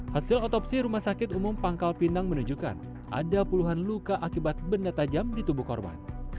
hasil otopsi rumah sakit umum pangkal pinang menunjukkan ada puluhan luka akibat benda tajam di tubuh korban